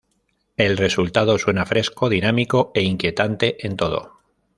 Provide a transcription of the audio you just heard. El resultado suena fresco, dinámico e inquietante en todo.